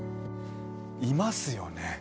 いますよね。